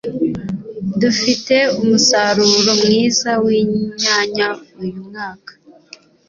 Dufite umusaruro mwiza winyanya uyumwaka.